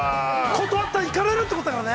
◆断ったらいかれるってことだからね。